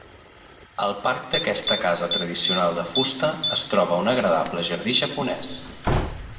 Al parc d'aquesta casa tradicional de fusta es troba un agradable jardí japonès.